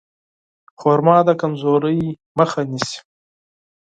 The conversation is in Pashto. خرما د کمزورۍ مخه نیسي.